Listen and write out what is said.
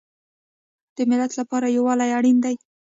د ملت لپاره یووالی اړین دی